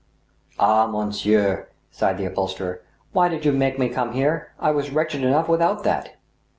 " Ah, monsieur I " sighed the upholsterer, " why did you make me come here ? I was wretched enough without that